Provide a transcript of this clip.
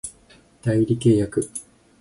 代理契約